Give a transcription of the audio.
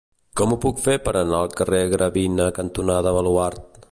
Com ho puc fer per anar al carrer Gravina cantonada Baluard?